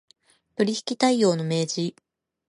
取引態様の明示